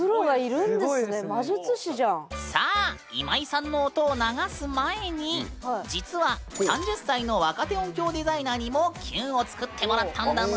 さあ今井さんの音を流す前に実は３０歳の若手音響デザイナーにも「キュン」を作ってもらったんだぬ。